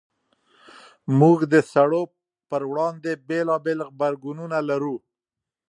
موږ د سړو پر وړاندې بېلابېل غبرګونونه لرو.